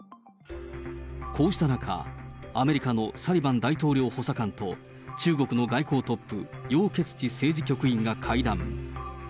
こうした中、アメリカのサリバン大統領補佐官と、中国の外交トップ、楊潔ち政治局員が会談。